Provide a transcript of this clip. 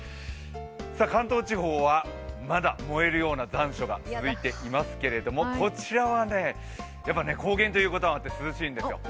関東地方はまだ燃えるような残暑が続いていますけれども、こちらは高原ということもあって涼しいんですよ。